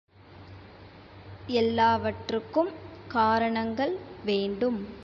எல்லாவற்றுக்கும் காரணங்கள் வேண்டும்.